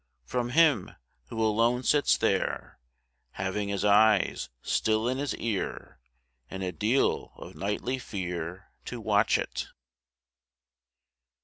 From him, who alone sits there, Having his eyes still in his ear, And a deal of nightly fear To watch it.